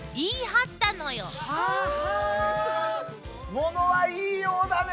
ものは言いようだね。